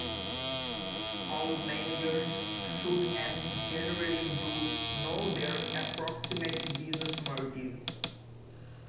All managers should, and generally do, know their approximate business margins.